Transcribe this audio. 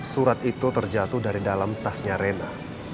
surat itu terjatuh dari dalam tasnya rena